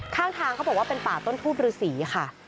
ข้างทางเขาบอกว่าเป็นป่าต้นทูบฤษีค่ะ